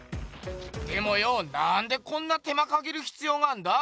でもよなんでこんな手間かけるひつようがあんだ？